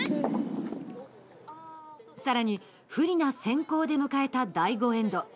さらに不利な先攻で迎えた第５エンド。